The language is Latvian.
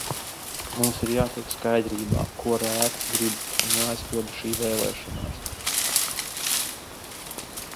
Mums ir jātiek skaidrībā, ko rēgs grib, un jāizpilda šī vēlēšanās!